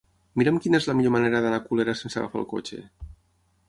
Mira'm quina és la millor manera d'anar a Colera sense agafar el cotxe.